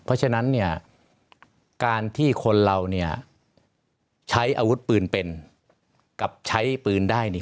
เพราะฉะนั้นเนี่ยการที่คนเราเนี่ยใช้อาวุธปืนเป็นกับใช้ปืนได้เนี่ย